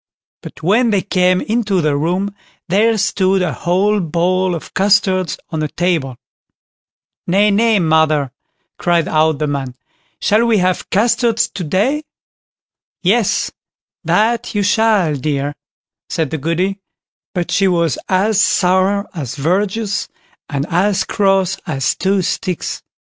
But when they came into the room, there stood a whole bowl of custards on the table. "Nay, nay, mother", cried out the man; "shall we have custards to day?" "Yes, that you shall, dear", said the Goody; but she was as sour as verjuice, and as cross as two sticks.